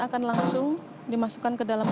akan langsung dimasukkan ke dalam